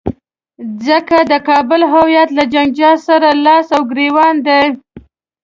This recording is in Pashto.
ځکه د کابل هویت له جنجال سره لاس او ګرېوان دی.